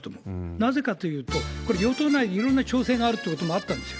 なぜか。というと、これ、与党内でいろんな調整があるということもあったんですよ。